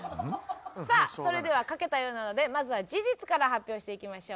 さあそれでは書けたようなのでまずは事実から発表していきましょう。